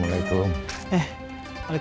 kenapa harus berurusan sama ayam